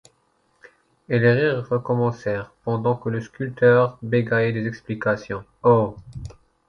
Et les rires recommencèrent, pendant que le sculpteur bégayait des explications: oh!